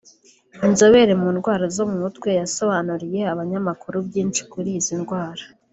inzobere mu ndwara zo mu mutwe yasobanuriye abanyamakuru byinshi kuri izi ndwara